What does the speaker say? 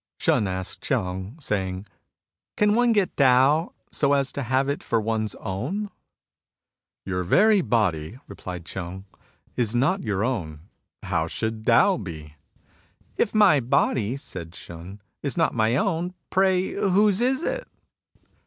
Shun asked Ch'eng, saying :" Can one get Tao so as to have it for one's own ?"*' Your very body," replied Ch'feng, " is not your own. How should Tao be ?"If my body," said Shun, " is not my own, pray whose is it